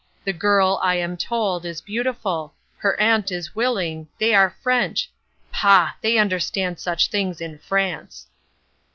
The girl, I am told, is beautiful; her aunt is willing; they are French; pah! they understand such things in France."